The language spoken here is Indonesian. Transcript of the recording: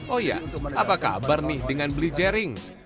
oh iya apa kabar nih dengan beli jaring